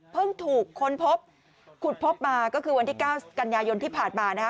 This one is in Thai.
ถูกค้นพบขุดพบมาก็คือวันที่๙กันยายนที่ผ่านมานะฮะ